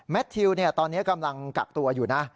ทิวตอนนี้กำลังกักตัวอยู่นะ